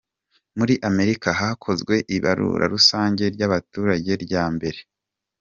Muri Amerika hakozwe ibarura rusange ry’abaturage rya mbere.